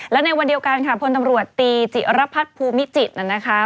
และในวันเดียวกันค่ะพลตำรวจตีจิรพัฒน์ภูมิจิตนั้นนะคะ